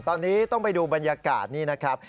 ตอนนี้ต้องไปดูบรรยากาศนี่นะครับ